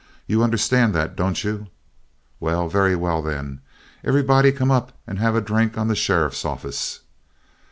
You understand that, don't you? Very well, then; everybody come up and have a drink on the sheriff's office.'